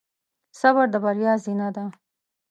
صبر د بریا زینه ده.